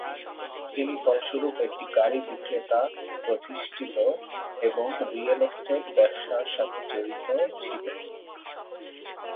তিনি ফলস্বরূপ একটি গাড়ী বিক্রেতা প্রতিষ্ঠিত, এবং রিয়েল এস্টেট ব্যবসার সাথে জড়িত ছিল।